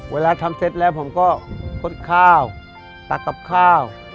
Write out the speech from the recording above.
เวลาทำเสร็จแล้วผมก็คดข้าวตักกับข้าว